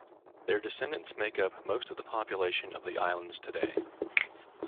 Their descendants make up most of the population of the islands today.